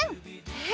え！